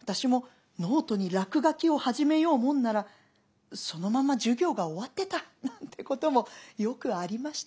私もノートに落書きを始めようもんならそのまんま授業が終わってたなんてこともよくありました。